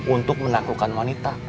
untuk menaklukan wanita